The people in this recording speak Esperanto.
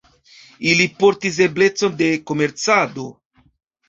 Ili portis eblecon de komercado.